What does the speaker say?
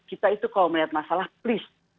kita itu kalau melihat masalah please